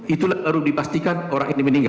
itu baru dipastikan orang ini meninggal